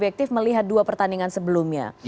kita lihat dua pertandingan sebelumnya